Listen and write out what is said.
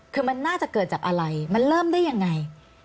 คือมันน่าจะเกิดจากอะไรมันเริ่มได้ยังไง